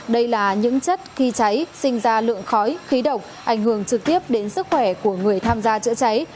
đây là những chất khi cháy sinh ra lượng khói khí độc ảnh hưởng trực tiếp đến sức khỏe của người tham gia chữa cháy